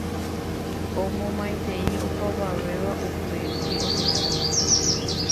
Omomaitei opavave upérupi ohasáva